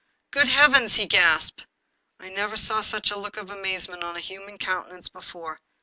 " Good heavens !" he gasped. I never saw such a look of amazement on a human countenance before.